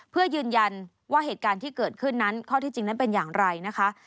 เพื่อยืนยันว่าเหตุการณ์ที่เกิดขึ้นนั้นข้อที่จริงนั้นเป็นอย่างไรนะคะ